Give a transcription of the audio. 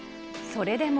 それでも。